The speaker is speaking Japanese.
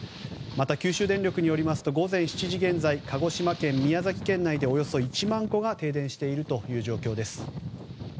また、九州電力によりますと午前７時現在鹿児島県、宮崎県内でおよそ１万戸が停電しているという状況です。